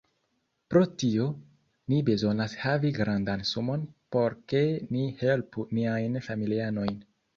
Pro tio, ni bezonas havi grandan sumon por ke ni helpu niajn familianojn